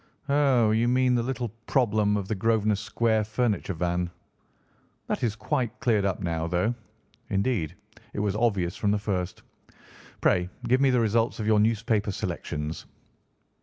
"Oh, you mean the little problem of the Grosvenor Square furniture van. That is quite cleared up now—though, indeed, it was obvious from the first. Pray give me the results of your newspaper selections."